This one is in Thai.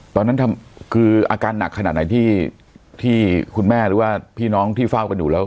ตอนนั้นคืออาการหนักขนาดไหนที่คุณแม่หรือว่าพี่น้องที่เฝ้ากันอยู่แล้ว